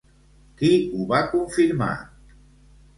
Qui ho va confirmar?